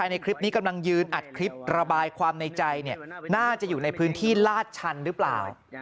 ในคลิปนี้กำลังยืนอัดคลิประบายความในใจน่าจะอยู่ในพื้นที่ลาดชันหรือเปล่า